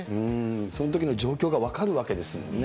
そのときの状況が分かるわけですもんね。